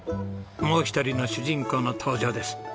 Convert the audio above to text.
もう一人の主人公の登場です。